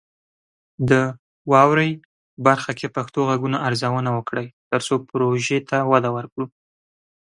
د "واورئ" برخه کې پښتو غږونه ارزونه وکړئ، ترڅو پروژې ته وده ورکړو.